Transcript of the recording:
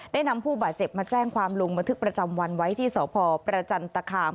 นำผู้บาดเจ็บมาแจ้งความลงบันทึกประจำวันไว้ที่สพประจันตคาม